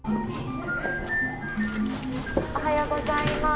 おはようございます。